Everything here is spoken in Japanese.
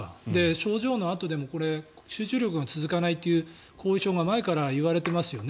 症状のあとでも集中力が続かないという後遺症が前から言われていますよね。